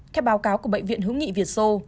theo báo cáo của bệnh viện hữu nghị việt sô